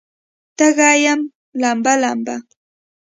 تږې یم لمبه، لمبه